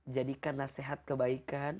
jadikan nasihat kebaikan